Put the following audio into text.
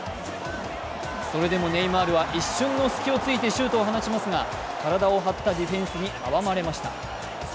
それでもネイマールは一瞬の隙を突いてシュートを放ちますが、体を張ったディフェンスに阻まれました。